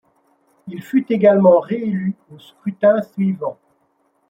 Il fut également réélu aux scrutins suivants.